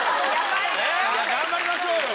頑張りましょうよ！